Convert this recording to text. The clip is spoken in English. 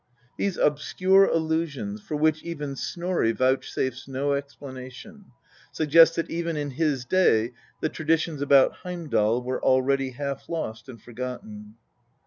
These obscure allusions, for which even Snorri vouchsafes no explanation, suggest that even" in his day the traditions about Heimdal were already half lost and forgotten.